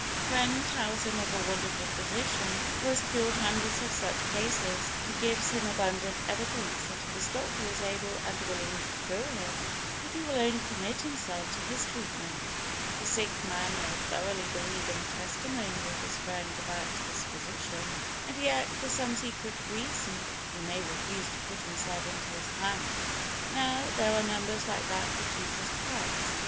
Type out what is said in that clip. A friend tells him of a wonderful physician who has cured hundreds of such cases, and gives him abundant evidence that this doctor is able and willing to cure him, if he will only commit himself to his treatment. The sick man may thoroughly believe in the testimony of his friend about this physician, and yet, for some secret reason, he may refuse to put himself into his hands. Now, there are numbers like that with Jesus Christ.